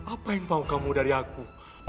apa yang mau kamu dari aku